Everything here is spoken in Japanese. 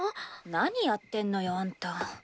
何やってんのよあんた。